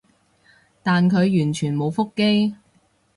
但佢完全冇覆機